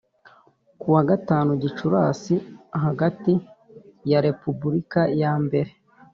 ku wa gatanu Gicurasi hagati ya Repubulika yambere